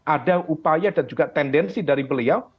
ada upaya dan juga tendensi dari beliau